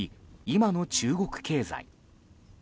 今の中国経済。